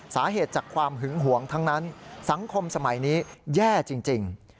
สาเหตุจากความหึงหวงทั้งนั้นสังคมสมัยนี้แย่จริง